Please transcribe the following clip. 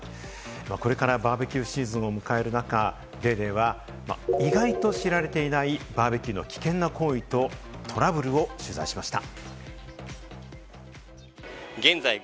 これからバーベキューシーズンを迎える中、『ＤａｙＤａｙ．』は意外と知られていないバーベキューの危険な行為と、トラブルを取材しました。